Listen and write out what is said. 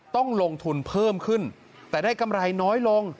ต้องลงทุนเพิ่มขึ้นแต่ได้กำไรน้อยลง